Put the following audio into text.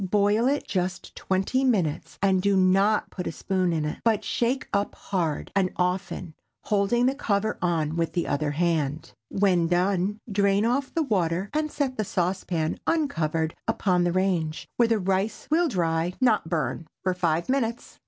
Boil it just twenty minutes, and do not put a spoon in it, but shake up hard and often, holding the cover on with the other hand. When done, drain off the water, and set the saucepan uncovered upon the range, where the rice will dry, not burn, for five minutes.